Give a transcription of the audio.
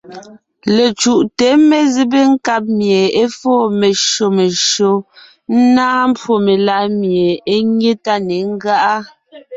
Lecǔʼte mezébé nkáb mie é fóo meshÿó meshÿó, ńnáa mbwó meláʼ mie é nyé tá ne ńgáʼa.